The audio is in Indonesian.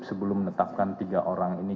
sebelum menetapkan tiga orang ini